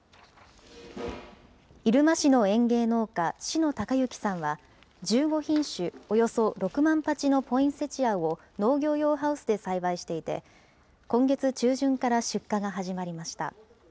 入間市の園芸農家、篠孝幸さんは、１５品種およそ６万鉢のポインセチアを農業用ハウスで栽培していて、今月中旬から出荷が始まりました。